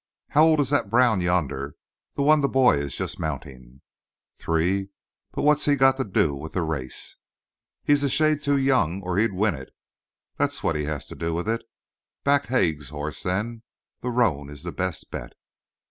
"How old is that brown yonder the one the boy is just mounting?" "Three. But what's he got to do with the race?" "He's a shade too young, or he'd win it. That's what he has to do with it. Back Haig's horse, then. The roan is the best bet."